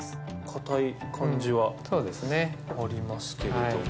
硬い感じはありますけれども。